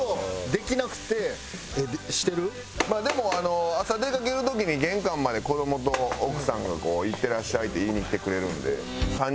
でも朝出かける時に玄関まで子どもと奥さんがこう「いってらっしゃい」って言いに来てくれるんで。